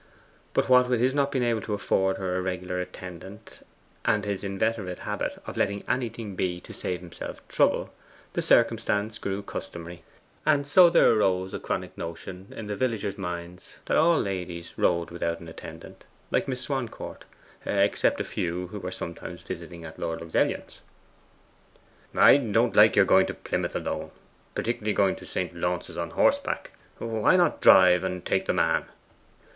But what with his not being able to afford her a regular attendant, and his inveterate habit of letting anything be to save himself trouble, the circumstance grew customary. And so there arose a chronic notion in the villagers' minds that all ladies rode without an attendant, like Miss Swancourt, except a few who were sometimes visiting at Lord Luxellian's. 'I don't like your going to Plymouth alone, particularly going to St. Launce's on horseback. Why not drive, and take the man?